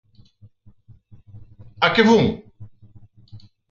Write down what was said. ¿A que fun?